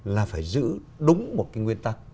là phải giữ đúng một cái nguyên tắc